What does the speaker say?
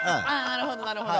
なるほどなるほど。